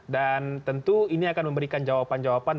dan tentu ini akan memberikan jawaban jawaban